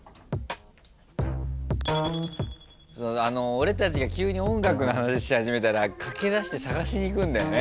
俺たちが急に音楽の話し始めたら駆けだして探しにいくんだよね。